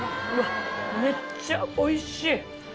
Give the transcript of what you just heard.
めっちゃおいしい！